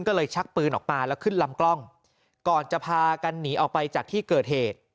ก็เลยชักปืนออกมาแล้วขึ้นลำกล้องก่อนจะพากันหนีออกไปจากที่เกิดเหตุ